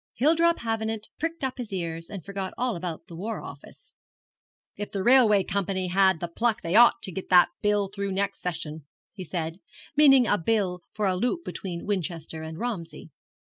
Hildrop Havenant pricked up his ears, and forgot all about the War Office. 'If the railway company had the pluck they ought to get that Bill through next Session,' he said, meaning a Bill for a loop between Winchester and Romsey.